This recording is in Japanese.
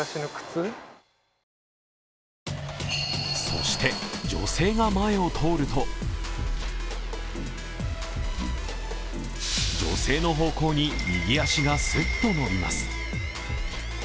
そして、女性が前を通ると女性の方向に、右足がすっと伸びます。